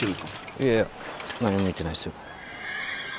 いやいや何も見てないっすよ。